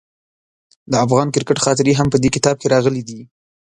د افغان کرکټ خاطرې هم په دې کتاب کې راغلي دي.